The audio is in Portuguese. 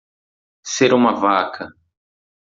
Ser uma vaca